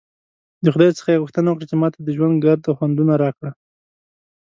د خدای څخه ېې غوښتنه وکړه چې ماته د ژوند ګرده خوندونه راکړه!